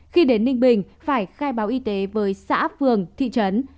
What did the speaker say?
khi đến ninh bình phải khai báo y tế với xã phường thị trấn